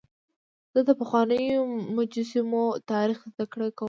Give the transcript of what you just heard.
زه د پخوانیو مجسمو تاریخ زدهکړه کوم.